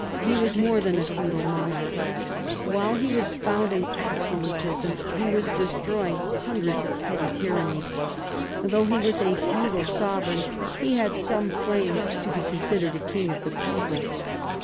He was more than a feudal monarch. While he was founding absolutism he was destroying hundreds of petty tyrannies. Though he was a feudal sovereign, he has some claims to be considered a king of the people.